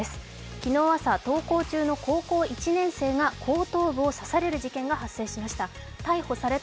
昨日朝、登校中の高校１年生が後頭部を刺される事件がありました。